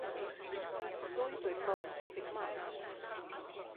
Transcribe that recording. Suitu ir palicis tik maz.